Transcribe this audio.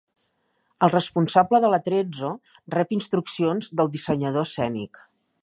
El responsable de l'atrezzo rep instruccions del dissenyador escènic.